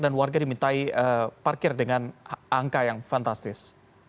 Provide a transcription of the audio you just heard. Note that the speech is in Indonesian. dan warga dimintai parkir dengan angka yang fantastis